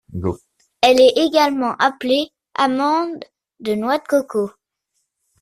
Elle est également appelée amande de noix de coco.